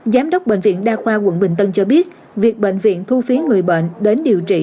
giám đốc bệnh viện đa khoa quận bình tân cho biết việc bệnh viện thu phí người bệnh đến điều trị